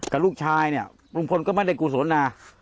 กับลูกชายลุงพลก็ไม่ได้กลุ่นสนา